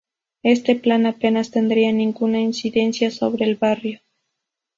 Este plan apenas tendría ninguna incidencia sobre el barrio.